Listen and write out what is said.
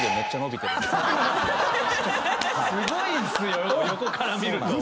すごいんすよ横から見ると。